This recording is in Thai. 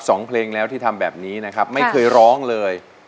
สองเพลงแล้วที่ทำแบบนี้นะครับไม่เคยร้องเลย